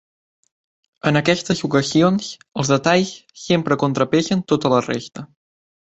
En aquestes ocasions els detalls sempre contrapesen tota la resta